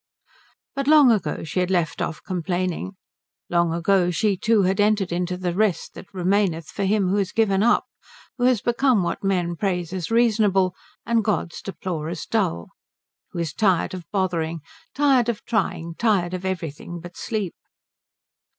But long ago she had left off complaining, long ago she too had entered into the rest that remaineth for him who has given up, who has become what men praise as reasonable and gods deplore as dull, who is tired of bothering, tired of trying, tired of everything but sleep.